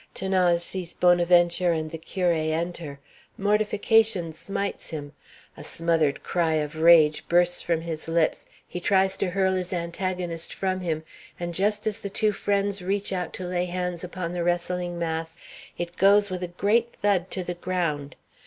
'Thanase sees Bonaventure and the curé enter; mortification smites him; a smothered cry of rage bursts from his lips; he tries to hurl his antagonist from him; and just as the two friends reach out to lay hands upon the wrestling mass, it goes with a great thud to the ground.